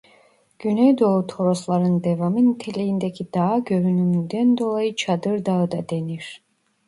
Güneydoğu Torosların devamı niteliğindeki dağa görünümünden dolayı Çadır Dağı da denir.